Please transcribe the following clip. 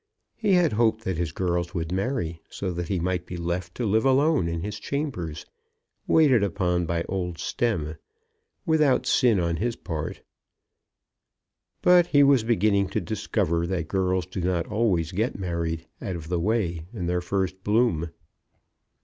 He had hoped that his girls would marry, so that he might be left to live alone in his chambers, waited upon by old Stemm, without sin on his part; but he was beginning to discover that girls do not always get married out of the way in their first bloom.